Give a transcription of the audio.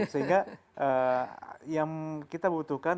sehingga yang kita butuhkan